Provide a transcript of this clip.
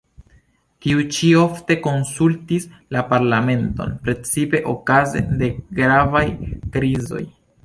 Tiu ĉi ofte konsultis la parlamenton, precipe okaze de gravaj krizoj.